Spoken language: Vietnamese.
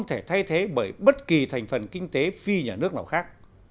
thay thế bởi bất kỳ thành phần kinh tế phi nhà nước nào khác